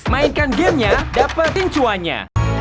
mainkan gamenya dapet pincuannya